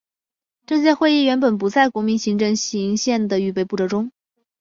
政协会议原本不在国民政府行宪的预备步骤中。